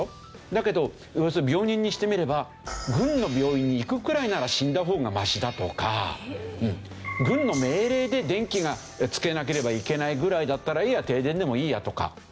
だけど要するに病人にしてみれば軍の病院に行くくらいなら死んだ方がマシだとか軍の命令で電気がつけなければいけないぐらいだったら停電でもいいやとか。